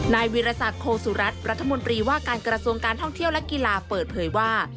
นายวิรสักโคสุรัตน์รัฐมนตรีว่าการกระทรวงการท่องเที่ยวและกีฬาเปิดเผยว่า